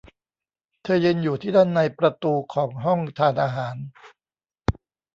เธอยืนอยู่ที่ด้านในประตูของห้องทานอาหาร